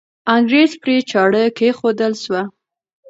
انګریز پرې چاړه کښېښودل سوه.